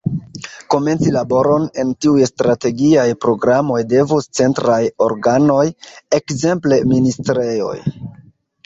Komenci laboron en tiuj strategiaj programoj devus centraj organoj, ekzemple ministrejoj.